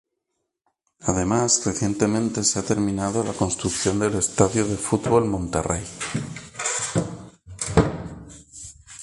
Además, recientemente se ha Terminado la construcción del estadio de fútbol Monterrey.